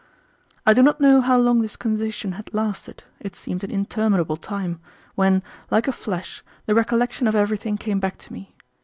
I do not know how long this condition had lasted it seemed an interminable time when, like a flash, the recollection of everything came back to me.